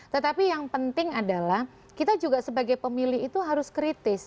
tetapi yang penting adalah kita juga sebagai pemilih itu harus kritis